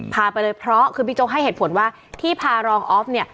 พาไปเลยเพราะคือบิ๊กโจ๊กให้เหตุผลว่าที่พารองออฟเนี่ย